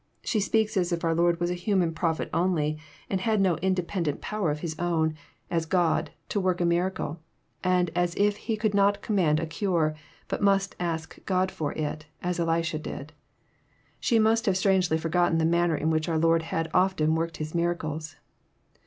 She speaks as if onr Lord was a human prophet only, and had no independent 262 EXFOSiroKT thoughts. power of His own, as God, to work a miracle, and as if He conld not command a cure, bat most ask God for it, as Elisha did. She mast have strangely forgotten the manner in which oar Lord had often worked His miracles.